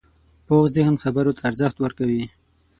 پوخ ذهن خبرو ته ارزښت ورکوي